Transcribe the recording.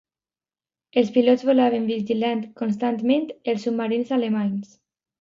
Els pilots volaven vigilant constantment els submarins alemanys.